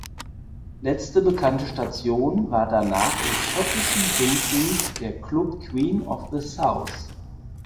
Letzte bekannte Station war danach im schottischen Dumfries der Klub Queen of the South.